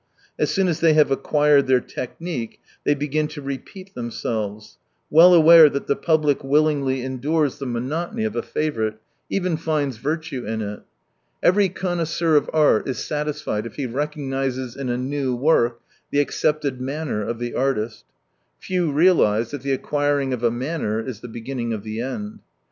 As soon as they have acquired their technique, they begin to repeat themselves, well aware that the public willingly endures the monotony of a 6z favourite, even finds virtue in it. Every connoisseur of art is satisfied if he recognises in a new work the accepted " manner " of the artist. Few realise that the acquiring of a manner is the beginning of the end.